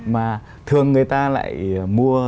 mà thường người ta lại mua